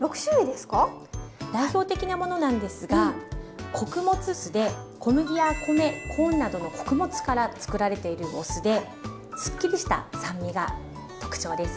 代表的なものなんですが穀物酢で小麦や米コーンなどの穀物からつくられているお酢ですっきりした酸味が特徴です。